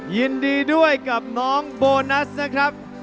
ยินดีด้วยกับน้องโบนัสนะครับ